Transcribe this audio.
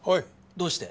どうして？